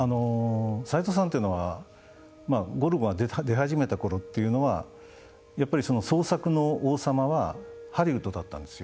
さいとうさんというのはゴルゴが出始めたころというのは創作の王様はハリウッドだったんですよ。